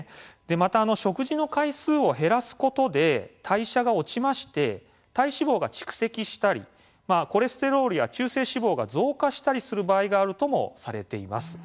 また、食事の回数を減らすことで代謝が落ちまして体脂肪が蓄積したりコレステロールや中性脂肪が増加したりする場合があるともされています。